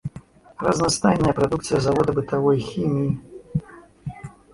Разнастайная прадукцыя завода бытавой хіміі.